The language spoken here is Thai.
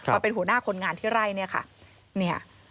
มาเป็นหัวหน้าคนงานที่ไร่เนี่ยค่ะ